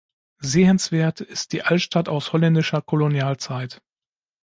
Sehenswert ist die Altstadt aus holländischer Kolonialzeit.